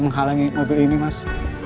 menghalangi mobil ini mas